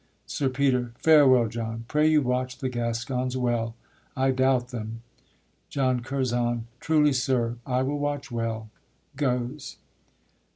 SIR PETER. Farewell, John, pray you watch the Gascons well, I doubt them. JOHN CURZON. Truly, sir, I will watch well. [_Goes.